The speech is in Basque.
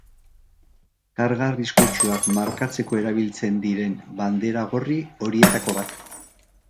Karga arriskutsuak markatzeko erabiltzen diren bandera gorri horietako bat.